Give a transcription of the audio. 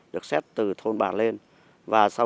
được xét từ thôn bà